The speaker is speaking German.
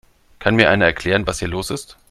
Kann mir einer erklären, was hier los ist?